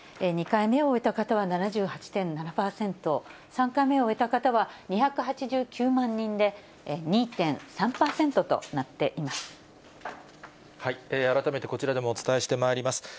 ２回目を終えた方は７８．７％、３回目を終えた方は２８９万人で、２．３％となっています。